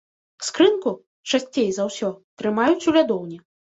Скрынку, часцей за ўсё, трымаюць у лядоўні.